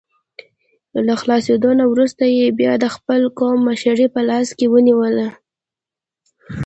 له خلاصېدو نه وروسته یې بیا د خپل قوم مشري په لاس کې ونیوله.